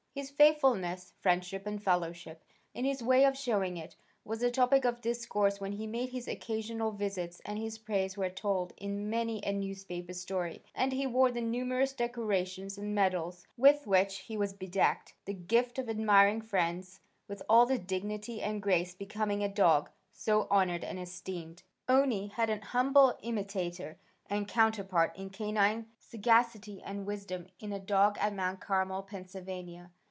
His faithfulness, friendship and fellowship, in his way of showing it, was the topic of discourse when he made his occasional visits and his praises were told in many a newspaper story and he wore the numerous decorations and medals with which he was bedecked, the gift of admiring friends, with all the dignity and grace becoming a dog so honored and esteemed. "Owney" had an humble imitator and counterpart in canine sagacity and wisdom in a dog at Mount Carmel, Pa.